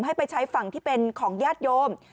ให้ไปใช้ฝั่งที่เป็นของญาติโยม